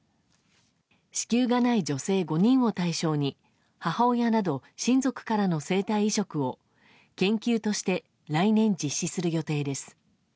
子宮がない女性５人を対象に母親など親族からの生体移植を研究として来年実施する予定です。